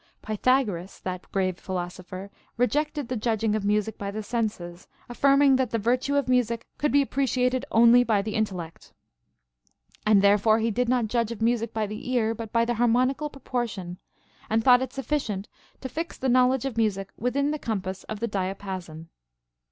* Pythagoras, that grave philosopher, rejected the judging of music by the senses, affirming that the virtue of music could be appre ciated only by the intellect. And therefore he did not judge of music by the ear, but by the harmonical proportion, and thought it sufficient to fix the knowledge of music within the compass of the diapason.